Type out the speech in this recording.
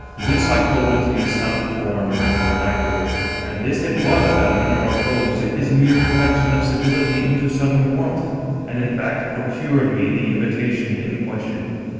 This I quoted to the as tounded foreigner in the vernacular, and this it was that ii6 Egerfon Castle metamorphosed his mere perfection of civUity into sudden warmth, and, in fact, procured me the invitation in ques tion.